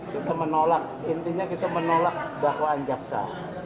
kita menolak intinya kita menolak dakwaan jaksa